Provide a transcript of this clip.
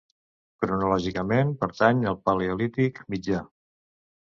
Cronològicament, pertany al paleolític mitjà.